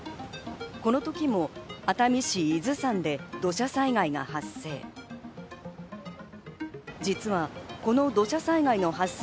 この時も熱海市伊豆山で土砂災害が発生。